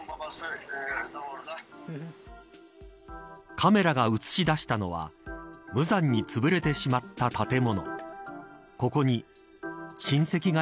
カメラが映し出したのは無残につぶれてしまった建物。